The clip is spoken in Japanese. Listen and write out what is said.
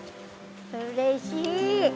うれしい！